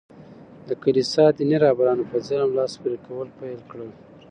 د کلیسا دیني رهبرانو په ظلم لاس پوري کول پېل کړل.